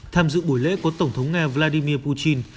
tham dự buổi lễ có tổng thống nga vladimir putin